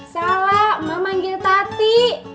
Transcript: salah emak manggil tati